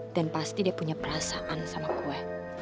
dan pasti dia punya perasaan sama gue